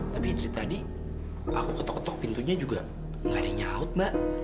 tapi dari tadi aku ketok ketok pintunya juga nggak ada yang nyaut mbak